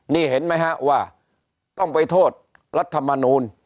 นี่เห็นไหมฮะว่าต้องไปโทษรัฐมนูล